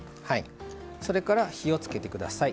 それから火をつけてください。